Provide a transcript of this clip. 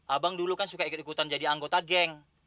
abang dulu kan suka ikut ikutan jadi anggota geng